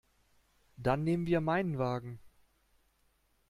Dann nehmen wir meinen Wagen.